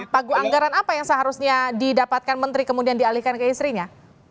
pagu anggaran apa yang seharusnya didapatkan menteri kemudian dialihkan ke istrinya